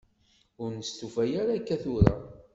Ur nestufa ara akka tura.